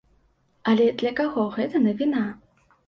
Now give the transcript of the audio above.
Але для каго гэта навіна?